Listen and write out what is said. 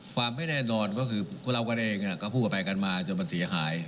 ความไม่แน่นอนก็คือพวกเรากันเองก็พูดกันไปกันมาจนมันเสียหาย